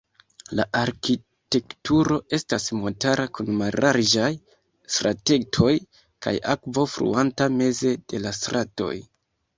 La arkitekturo estas montara kun mallarĝaj stratetoj kaj akvo fluanta meze de la stratoj.